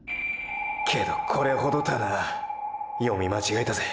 けどこれほどたぁな読みまちがえたぜ。